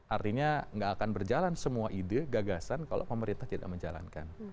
artinya nggak akan berjalan semua ide gagasan kalau pemerintah tidak menjalankan